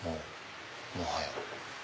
もはや。